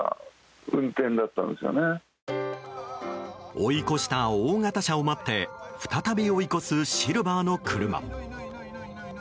追い越した大型車を待って再び追い越すシルバーの車。